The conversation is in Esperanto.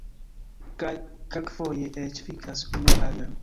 Kaj kelkfoje eĉ fikas unu la alian